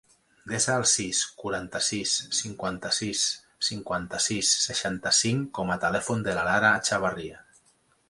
Desa el sis, quaranta-sis, cinquanta-sis, cinquanta-sis, seixanta-cinc com a telèfon de la Lara Etxeberria.